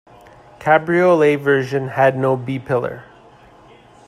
Cabriolet version had no B-pillar.